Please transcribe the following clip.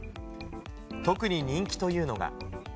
特に人気というのが。